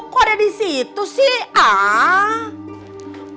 kok ada di situ sih ah